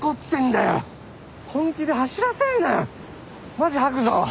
マジ吐くぞ。